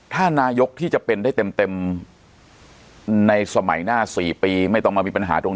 ถ้านายกที่จะเป็นได้เต็มในสมัยหน้า๔ปีไม่ต้องมามีปัญหาตรง